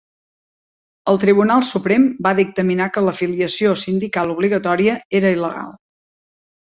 El Tribunal Suprem va dictaminar que l'afiliació sindical obligatòria era il·legal.